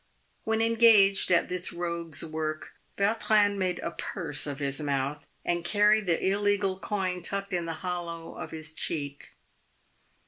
"When engaged at this rogue's work, Vautrin made a purse of his mouth, and carried the illegal coin tucked in the hollow of his cheek.